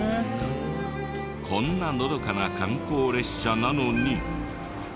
こんなのどかな観光列車なのに。